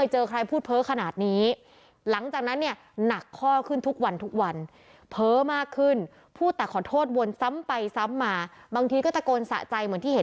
เหมือนที่เห็นในคลิปเมื่อสักครู่นี้